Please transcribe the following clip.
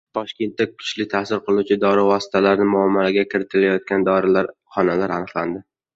Toshkentda kuchli ta’sir qiluvchi dori vositalarini muomalaga kiritayotgan dorixonalar aniqlandi